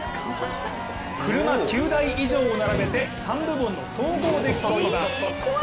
車９台以上を並べて３部門の総合で競います。